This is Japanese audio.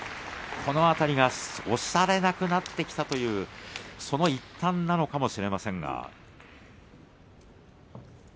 この辺りは押されなくなってきたというその一環なのかもしれません。